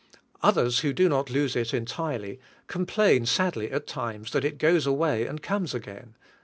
Others who do not lose it entirely, complain sadly at times, that it goes away and comes again.